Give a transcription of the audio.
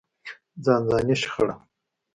ځانځاني شخړه.